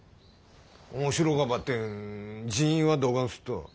面白かばってん人員はどがんすっと？